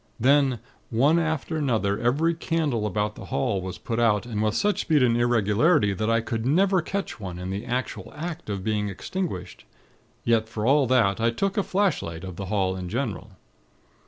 Then, one after another, every candle about the hall was put out, and with such speed and irregularity, that I could never catch one in the actual act of being extinguished. Yet, for all that, I took a flashlight of the hall in general.